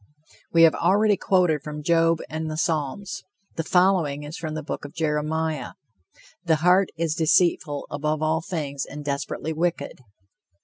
We have already quoted from Job and the Psalms; the following is from the book of Jeremiah: "The heart is deceitful above all things and desperately wicked."